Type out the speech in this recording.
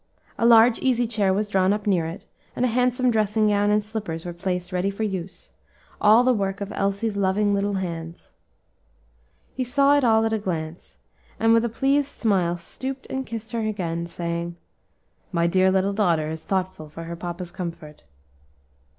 A large easy chair was drawn up near it, and a handsome dressing gown and slippers were placed ready for use; all the work of Elsie's loving little hands. He saw it all at a glance, and with a pleased smile, stooped and kissed her again, saying, "My dear little daughter is very thoughtful for her papa's comfort."